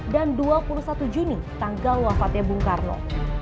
dan dua puluh satu juni tanggal wafatnya bung karno